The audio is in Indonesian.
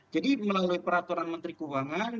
jadi melalui peraturan menteri keuangan